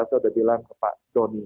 saya sudah bilang ke pak doni